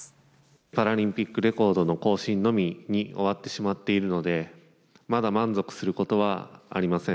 パラリンピックレコードの更新のみに終わってしまっているので、まだ満足することはありません。